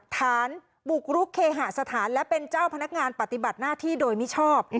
ฐานบุกรุกเคหาสถานและเป็นเจ้าพนักงานปฏิบัติหน้าที่โดยมิชอบ